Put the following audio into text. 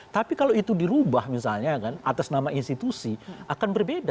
tapi kalau itu dirubah misalnya kan atas nama institusi akan berbeda